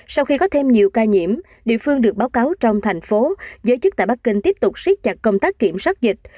sau khi có thêm nhiều ca nhiễm địa phương được báo cáo trong thành phố giới chức tại bắc kinh tiếp tục siết chặt công tác kiểm soát dịch